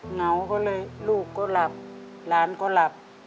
เหงาก็เลยลูกก็หลับหลานก็หลับ